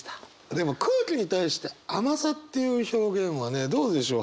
でも空気に対して「甘さ」っていう表現はねどうでしょう？